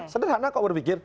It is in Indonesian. sederhana kok berpikir